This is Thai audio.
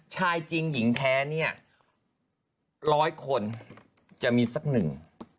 ชายจริงหญิงแท้เนี่ย๑๐๐คนจะมีสักนึง